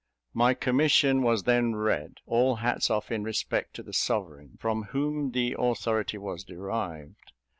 My commission was then read: all hats off in respect to the sovereign, from whom the authority was derived.